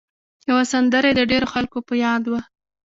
یوه سندره یې د ډېرو خلکو په یاد وه.